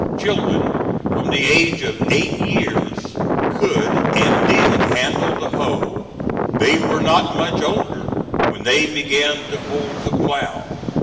Children from the age of eight years could and did handle the hoe; they were not much older when they began to hold the plough.